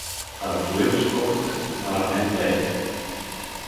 Радоил скокна като наранен лев.